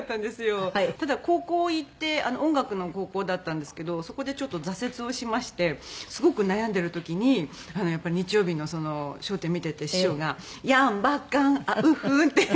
ただ高校行って音楽の高校だったんですけどそこでちょっと挫折をしましてすごく悩んでる時にやっぱり日曜日の『笑点』見てて師匠が「いやんばかんんふん」って歌ってて。